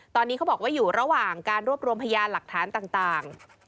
ตอนนี้เขาบอกว่าอยู่ระหว่างการรวบรวมพยานหลักฐานต่าง